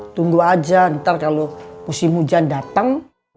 tunggu aja ntar kalau musim hujan datang